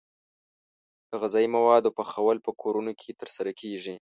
د غذايي موادو پخول په کورونو کې ترسره کیږي.